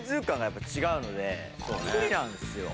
不利なんですよ。